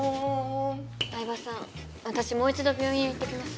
饗庭さん私もう一度病院へ行ってきます。